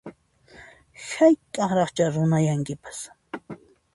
Hayk'aqraqchá runayankipas